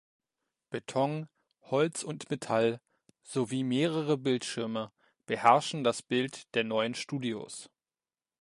Beton, Holz und Metall sowie mehrere Bildschirme beherrschen das Bild der neuen Studios.